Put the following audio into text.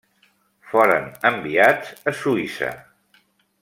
Foren enviats a Suïssa.